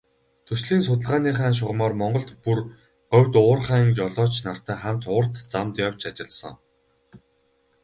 Төслийн судалгааныхаа шугамаар Монголд, бүр говьд уурхайн жолооч нартай хамт урт замд явж ажилласан.